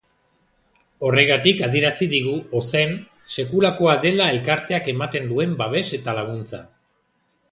Horregatik adierazi digu ozen, sekulakoa dela elkarteak ematen duen babes eta laguntza.